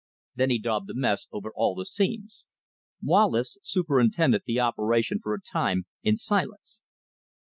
Then he daubed the mess over all the seams. Wallace superintended the operation for a time in silence.